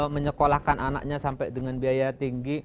menyekolahkan anaknya sampai dengan biaya tinggi